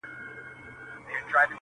اې تاته وايم دغه ستا تر سترگو بـد ايسو.